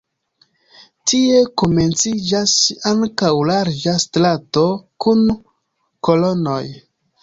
Tie komenciĝas ankaŭ larĝa strato kun kolonoj.